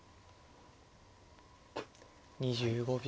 ２５秒。